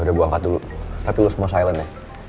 gue angkat dulu tapi lo semua silent ya